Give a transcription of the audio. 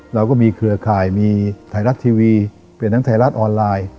เราก็มีเครือข่ายมีไทยรัฐทีวีเปลี่ยนทั้งไทยรัฐออนไลน์